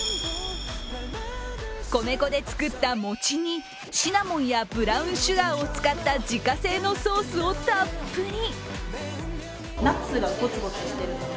米粉で作った餅にシナモンやブラウンシュガーを使った自家製のソースをたっぷり。